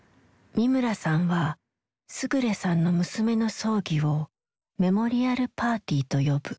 三村さんは勝さんの娘の葬儀を「メモリアル・パーティー」と呼ぶ。